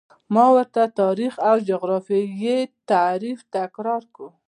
ما ورته د تاریخ او جغرافیې تعریف تکرار کړ.